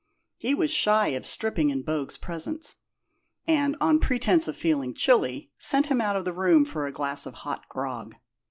He was shy of stripping in Bogue's presence, and, on pretence of feeling chilly, sent him out of the room for a glass of hot grog.